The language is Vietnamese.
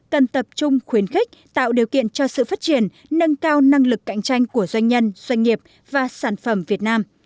cần tập trung khuyến khích tạo điều kiện cho sự phát triển nâng cao năng lực cạnh tranh của doanh nhân doanh nghiệp và sản phẩm việt nam